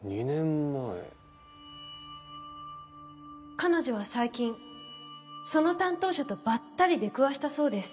彼女は最近その担当者とばったり出くわしたそうです。